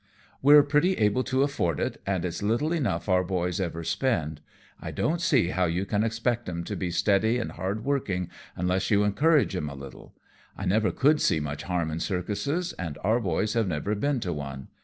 We're plenty able to afford it, and it's little enough our boys ever spend. I don't see how you can expect 'em to be steady and hard workin', unless you encourage 'em a little. I never could see much harm in circuses, and our boys have never been to one.